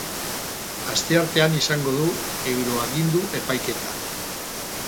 Asteartean izango du euroagindu epaiketa.